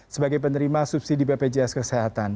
sebagai penerima subsidi bpjs kesehatan